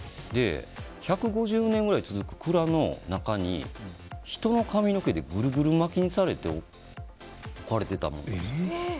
１５０年ぐらい続く蔵の中に人の髪の毛でぐるぐる巻きにされて置かれてたものです。